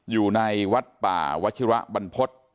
อยู่ในวัดป่าวัชิระบรรพฤษ